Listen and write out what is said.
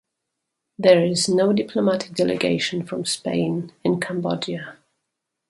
There is no diplomatic delegation from Spain in Cambodia.